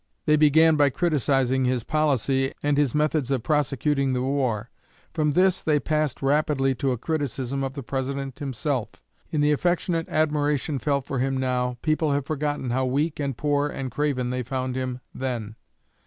They began by criticizing his policy, and his methods of prosecuting the war; from this they passed rapidly to a criticism of the President himself. In the affectionate admiration felt for him now, people have forgotten how weak and poor and craven they found him then.